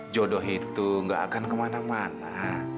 jodoh itu gak akan kemana mana